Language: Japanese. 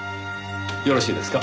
よろしいですか？